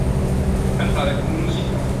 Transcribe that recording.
Cantare come un usignolo.